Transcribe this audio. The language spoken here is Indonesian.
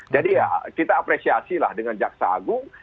jadi ya kita apresiasilah dengan jaksa agung